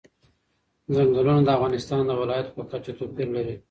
ځنګلونه د افغانستان د ولایاتو په کچه توپیر لري.